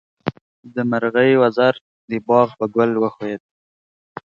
د مرغۍ وزر د باغ په ګل وښویېد.